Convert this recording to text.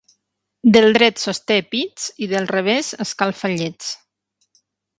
Del dret sosté pits i del revés escalfa llets.